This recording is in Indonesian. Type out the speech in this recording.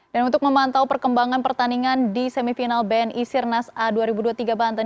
dan untuk memantau perkembangan pertandingan di semifinal bni sirnas a dua ribu dua puluh tiga banten